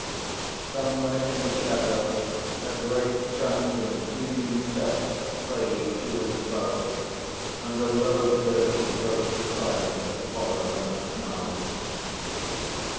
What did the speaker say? Somewhere in the shadow, a great trunk and gleaming tusks swayed to and fro, and a low gurgle broke the silence that followed on the snarl.